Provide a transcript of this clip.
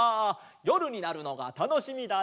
よるになるのがたのしみだなあ。